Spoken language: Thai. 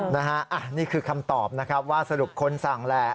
นี่คือคำตอบนะครับว่าสรุปคนสั่งแหละ